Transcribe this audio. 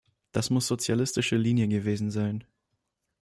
Das muss sozialistische Linie gewesen sein.